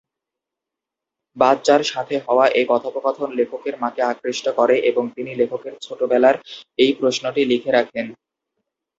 বাচ্চার সাথে হওয়া এই কথোপকথন লেখকের মাকে আকৃষ্ট করে এবং তিনি লেখকের ছেলেবেলার এই প্রশ্নটি লিখে রাখেন।